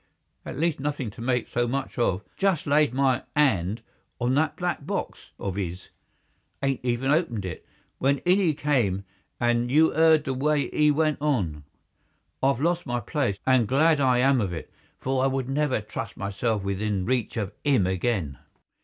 At least nothing to make so much of. Just laid my 'and on that black box of 'is—'adn't even opened it, when in 'e came and you 'eard the way 'e went on. I've lost my place, and glad I am of it, for I would never trust myself within reach of 'im again."